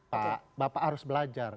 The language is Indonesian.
pak bapak harus belajar